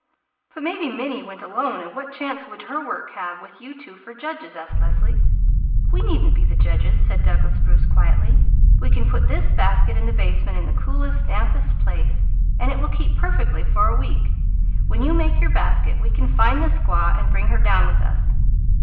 "But maybe 'Minnie' went alone, and what chance would her work have with you two for judges?" asked Leslie. "We needn't be the judges," said Douglas Bruce quietly. "We can put this basket in the basement in a cool, damp place, where it will keep perfectly for a week. When you make your basket we can find the squaw and bring her down with us.